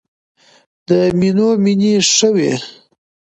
د مینو مینې ښې وې.